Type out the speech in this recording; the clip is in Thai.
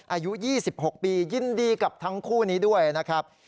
อายุ๒๖ปียินดีกับทั้งคู่นี้ด้วยนะครับ